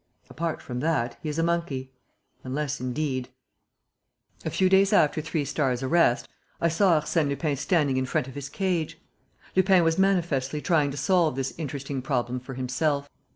Apart from that, he is a monkey. Unless indeed ...!A few days after Three Stars' arrest, I saw Arsène Lupin standing in front of his cage. Lupin was manifestly trying to solve this interesting problem for himself.